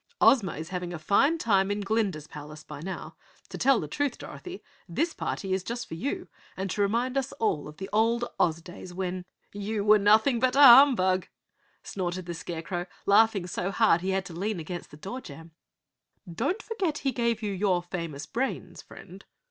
"Ozma is having a fine time in Glinda's palace, by now. To tell the truth, Dorothy, this party is just for YOU and to remind us all of the old Oz days when "" You were nothing but a humbug," snorted the Scarecrow, laughing so hard he had to lean against the door jam. "Don't forget he gave you your famous brains, friend."